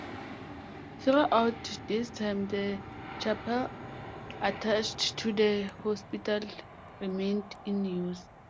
Throughout this time the chapel attached to the hospital remained in use.